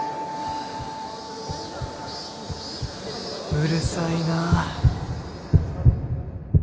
うるさいなあ